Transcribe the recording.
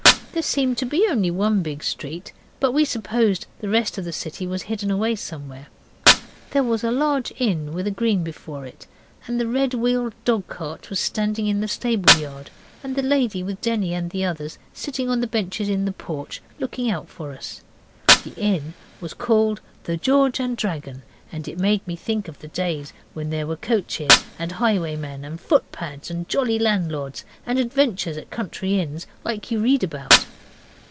There seemed to be only one big street, but we supposed the rest of the city was hidden away somewhere. There was a large inn, with a green before it, and the red wheeled dogcart was standing in the stableyard and the lady, with Denny and the others, sitting on the benches in the porch, looking out for us. The inn was called the 'George and Dragon', and it made me think of the days when there were coaches and highwaymen and foot pads and jolly landlords, and adventures at country inns, like you read about.